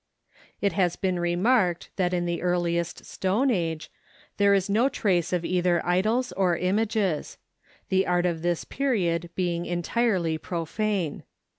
It has been remarked that in the earliest Stone Age there is no trace of either idols or images; the art of this period being entirely profane.